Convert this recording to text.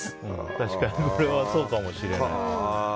確かにこれはそうかもしれない。